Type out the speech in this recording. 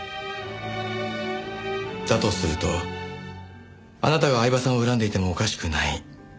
だとするとあなたが饗庭さんを恨んでいてもおかしくない。